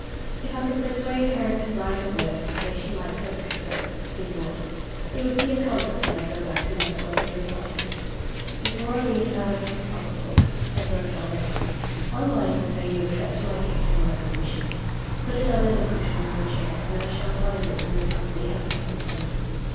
"If I could persuade her to write a word to say she liked her bracelet," he thought, "it would be a comfort when I go back to my solitary life." He tore a leaf out of his pocket book and wrote on it, "One line to say you accept my gift and my good wishes. Put it under the cushion of your chair, and I shall find it when the company have left the tent."